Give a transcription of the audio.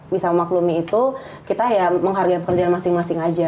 bisa maklumi itu kita ya menghargai pekerjaan masing masing aja